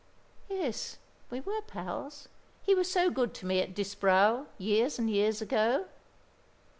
"Yes, we were pals. He was so good to me at Disbrowe, years and years ago."